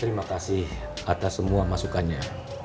terima kasih atas semua masukannya